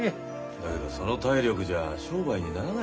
だけどその体力じゃあ商売にならない。